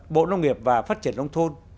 bộ nông nghiệp và phát triển nông thôn